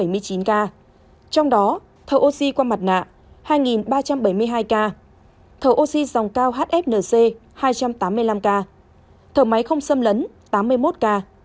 trong đó thợ oxy qua mặt nạ hai ba trăm bảy mươi hai ca thầu oxy dòng cao hfnc hai trăm tám mươi năm ca thở máy không xâm lấn tám mươi một ca